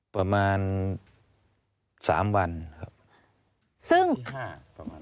ประมาณ๓วันครับ